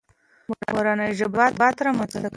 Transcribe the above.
مورنۍ ژبه ثبات رامنځته کوي.